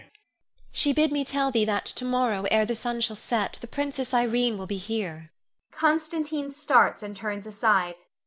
She bid me tell thee that to morrow, ere the sun shall set, the Princess Irene will be here. [Constantine _starts and turns aside.